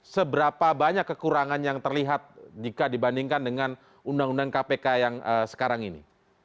seberapa banyak kekurangan yang terlihat jika dibandingkan dengan undang undang kpk yang sekarang ini